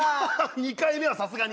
２回目はさすがに。